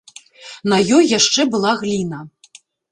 На ёй яшчэ была гліна.